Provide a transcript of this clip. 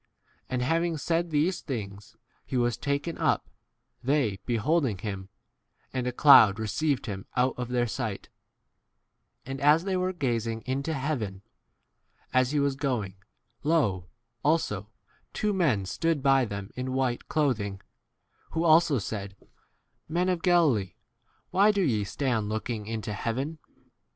f And having said these things he was taken up, they beholding him, and a cloud received him out of their sight, s 10 And as they were gazing into heaven, as he was going, lo, also two men stood by them in white 11 clothing, who also said, Men of Galilee, why do ye stand looking into heaven